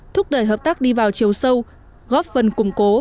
thúc đẩy hợp tác đi vào chiều sâu góp phần củng cố